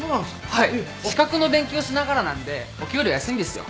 はい資格の勉強しながらなんでお給料安いんですよ。